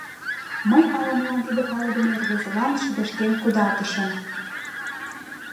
Мый ала-молан тиде палыдыме рвезылан шыдешкен кудалтышым.